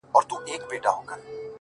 کنې دوى دواړي ويدېږي ورځ تېرېږي’